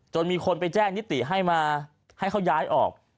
มีคนไปแจ้งนิติให้มาให้เขาย้ายออก